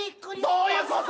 どういうこと！？